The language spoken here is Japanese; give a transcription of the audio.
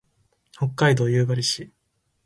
北海道夕張市